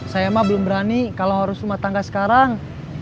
saya mah belum berani kalau harus rumah tangga sekarang